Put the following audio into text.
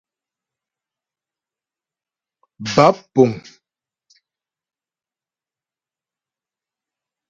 Báp puŋ.